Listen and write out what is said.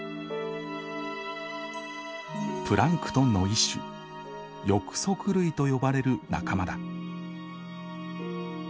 プランクトンの一種翼足類と呼ばれる仲間だ。